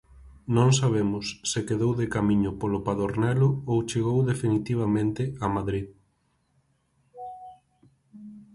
Non sabemos se quedou de camiño polo Padornelo ou chegou definitivamente a Madrid.